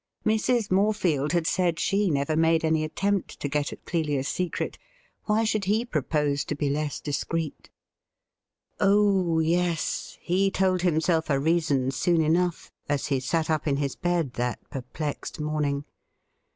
'' Mrs. Morefield had said she never made any attempt to get at Clelia's secret — why should he propose to be less discreet ? Oh yes ; he told himself a reason soon enough, as he sat up in his bed that perplexed morning.